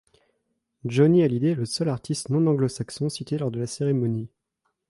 Johnny Hallyday est le seul artiste non anglo-saxon cité lors de la cérémonie.